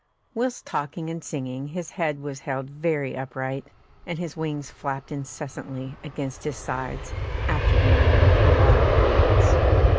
Whilst talking and singing, his head was held very upright, and his wings flapped incessantly against his sides, after the manner of the wild birds.